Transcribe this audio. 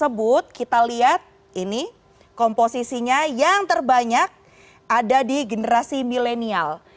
tersebut kita lihat ini komposisinya yang terbanyak ada di generasi milenial